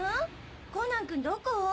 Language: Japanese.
コナン君どこ？